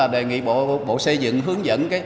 đề nghị bộ xây dựng hướng dẫn